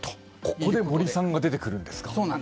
ここで森さんが出てくるんですか。